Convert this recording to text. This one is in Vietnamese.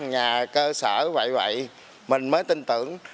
nhà cơ sở vậy vậy mình mới tin tưởng